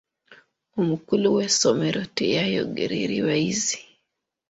Omukulu w'essomero teyayogera eri bayizi.